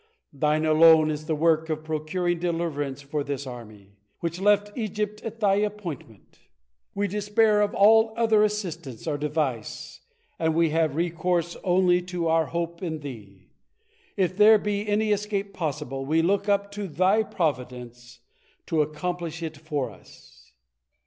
Thine alone is the work of procuring deliverance for this army, which left Egypt at Thy appointment. We despair of all other assistance or device, and we have recourse only to our hope in Thee. If there be any escape possible, we look up to Thy providence to accomplish it for us."